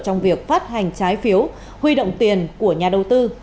trong việc phát hành trái phiếu huy động tiền của nhà đầu tư